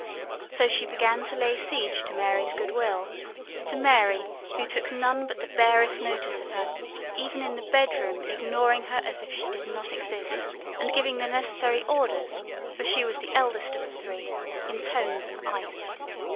So she began to lay siege to Mary's good will to Mary, who took none but the barest notice of her, even in the bedroom ignoring her as if she did not exist, and giving the necessary orders, for she was the eldest of the three, in tones of ice.